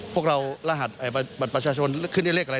พวกเรารหัสบัตรประชาชนขึ้นได้เลขอะไร